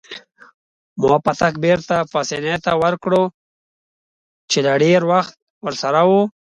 ما پتک بیرته پاسیني ته ورکړ چې له ډیر وخته ورسره وو.